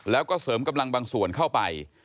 แล้วก็เสริมกำลังบางส่วนเข้าไป